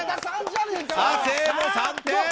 亜生も３点！